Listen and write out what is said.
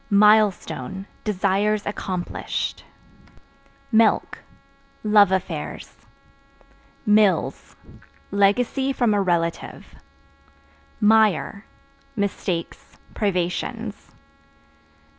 Milestone Desires accomplished. Milk Love affairs. Mills Legacy from a relative Mire Mistakes, privations.